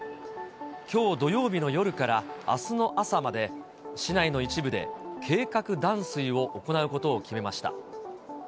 きょう土曜日の夜からあすの朝まで、市内の一部で計画断水を行うことを決めました。